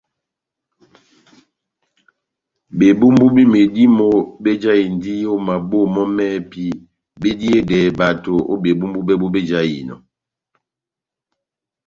Bebumbu be medímo bejahindi o maboho mɔ mɛhɛpi mediyedɛhɛ bato o bebumbu bɛbu bejahinɔ.